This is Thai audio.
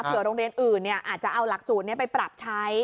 โรงเรียนอื่นอาจจะเอาหลักสูตรนี้ไปปรับใช้